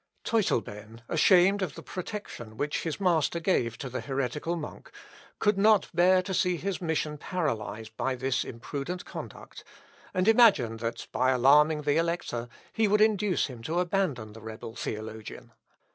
Teutleben, ashamed of the protection which his master gave to the heretical monk, could not bear to see his mission paralysed by this imprudent conduct; and imagined that, by alarming the Elector, he would induce him to abandon the rebel theologian.